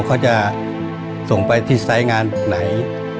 เขาจะส่งไปที่ไซส์งานไหน